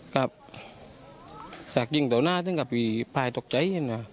กับชักยิงต่อหน้าถึงกับพี่พายตกใจ